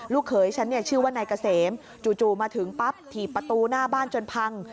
เขยฉันเนี่ยชื่อว่านายเกษมจู่มาถึงปั๊บถีบประตูหน้าบ้านจนพัง